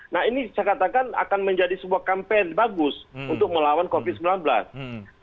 nah ini saya katakan akan menjadi sebuah campaign bagus untuk melawan covid sembilan belas